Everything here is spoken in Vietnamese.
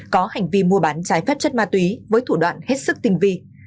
có hành vi mua bán trái phép chất ma túy với thủ đoạn hết sức tinh vi